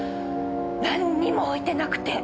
なんにも置いてなくて！